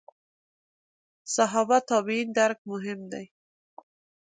صحابه تابعین درک مهم دي.